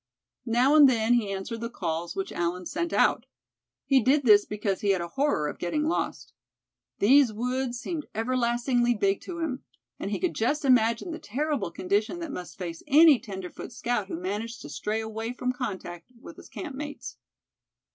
Now and then he answered the calls which Allen sent out. He did this because he had a horror of getting lost. These woods seemed everlastingly big to him; and he could just imagine the terrible condition that must face any tenderfoot scout who managed to stray away from contact with his camp mates.